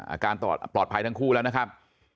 อาการปลอดภัยทั้งคู่แล้วนะครับ